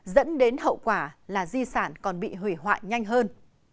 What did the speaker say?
dẫn đến hậu quả là di sản còn bị hủy hoại nhanh hơn